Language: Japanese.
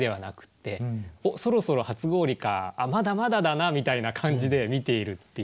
「おっそろそろ初氷かまだまだだな」みたいな感じで見ているっていう。